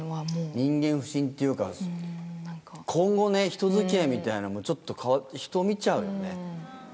人間不信っていうか今後ね人付き合いみたいなのもちょっと人見ちゃうよね。